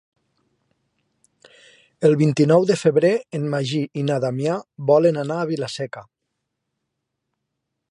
El vint-i-nou de febrer en Magí i na Damià volen anar a Vila-seca.